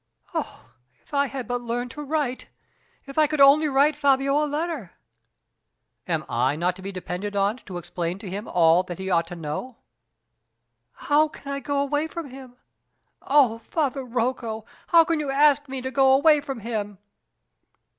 Oh, if I had but learned to write! If I could only write Fabio a letter!" "Am I not to be depended on to explain to him all that he ought to know?" "How can I go away from him! Oh! Father Rocco, how can you ask me to go away from him?"